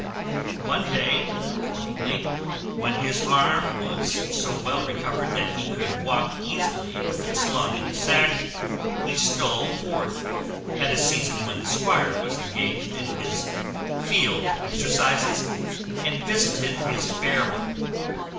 One day, accordingly, when his arm was so well recovered that he could walk easily with it slung in a sash, he stole forth, at a season when the squire was engaged in his field exercises, and visited his fair one.